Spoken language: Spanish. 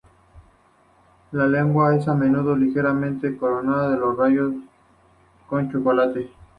La aguja es a menudo ligeramente coronar de rayos con chocolate.